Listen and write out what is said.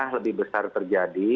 lebih besar terjadi